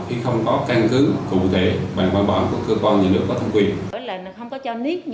khi không có căn cứ cụ thể bằng bản bản của cơ quan nhà nước có thông quyền